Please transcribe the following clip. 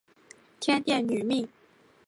天钿女命。